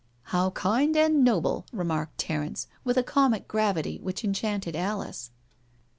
" How kind and noble," remarked Terence, with a comic gravity which enchanted Alice.